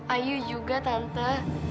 ayu juga tante